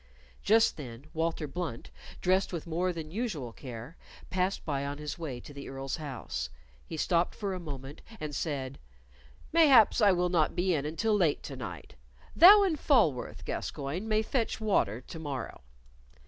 Just then Walter Blunt, dressed with more than usual care, passed by on his way to the Earl's house. He stopped for a moment and said, "Mayhaps I will not be in until late to night. Thou and Falworth, Gascoyne, may fetch water to morrow."